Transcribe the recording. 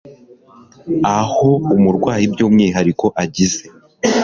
aho umurwayi byumwihariko agize